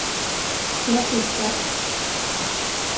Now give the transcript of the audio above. Jag flyttar.